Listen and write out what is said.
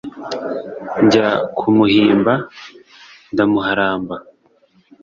njya kumuhimba ndamuharamba,